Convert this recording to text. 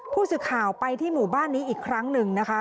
ผู้สื่อข่าวไปที่หมู่บ้านนี้อีกครั้งหนึ่งนะคะ